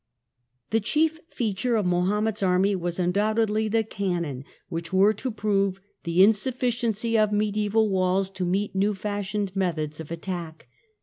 The chief feature of Mahomet's army was un doubtedly the cannon, which were to prove the in sufficiency of mediaeval walls to meet new fashioned methods of attack.